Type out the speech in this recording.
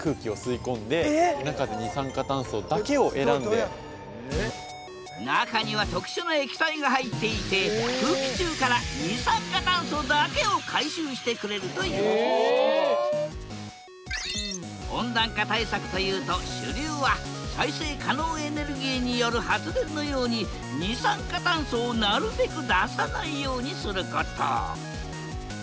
ここにあるんですけど中には特殊な液体が入っていて空気中から二酸化炭素だけを回収してくれるという温暖化対策というと主流は再生可能エネルギーによる発電のように二酸化炭素をなるべく出さないようにすること。